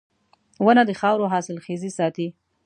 • ونه د خاورو حاصلخېزي ساتي.